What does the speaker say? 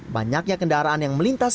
banyaknya kendaraan yang melintas